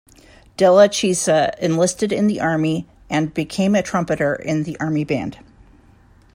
Della Chiesa enlisted in the Army, and became a trumpeter in the Army band.